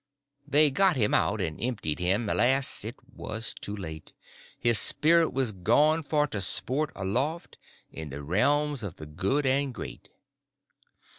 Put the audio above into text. They got him out and emptied him; Alas it was too late; His spirit was gone for to sport aloft In the realms of the good and great.